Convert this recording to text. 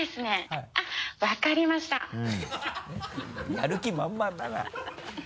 やる気満々だな。